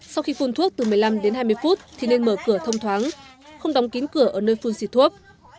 sau khi phun thuốc từ một mươi năm đến hai mươi phút thì nên mở cửa thông thoáng không đóng kín cửa ở nơi phun xịt thuốc